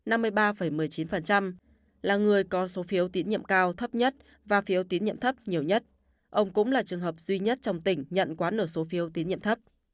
ông lê duy thành là trường hợp cao thấp nhất và phiếu tín nhiệm thấp nhiều nhất ông cũng là trường hợp duy nhất trong tỉnh nhận quá nửa số phiếu tín nhiệm thấp